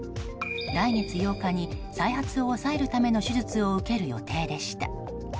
来月８日に再発を抑えるための手術を受ける予定でした。